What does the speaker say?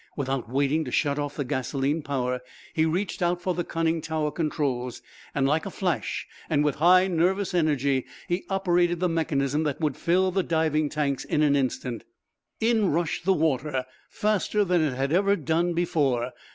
Without waiting to shut off the gasoline power, he reached out for the conning tower controls. Like a flash, and with high nervous energy, he operated the mechanism that would fill the diving tanks in an instant. In rushed the water, faster than it had ever done before.